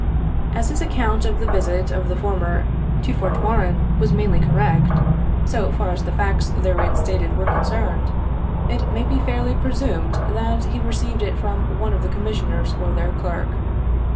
As his account of the visit of the former to Fort Warren was mainly correct, so far as the facts therein stated were concerned, it may be fairly presumed that he received it from one of the Commissioners or their clerk.